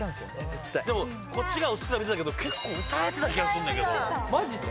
絶対でもこっちが映ってたの見たけど結構歌えてた気がするんだけど・マジで？